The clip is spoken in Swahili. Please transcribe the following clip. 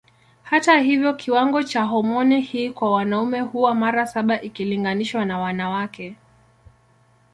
Hata hivyo kiwango cha homoni hii kwa wanaume huwa mara saba ikilinganishwa na wanawake.